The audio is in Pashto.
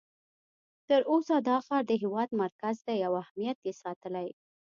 تر اوسه دا ښار د هېواد مرکز دی او اهمیت یې ساتلی.